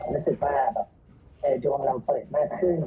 รู้สึกว่าแบบดวงเราเปิดมากขึ้น